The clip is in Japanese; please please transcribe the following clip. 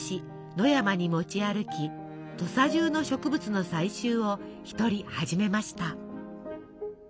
野山に持ち歩き土佐中の植物の採集を一人始めました。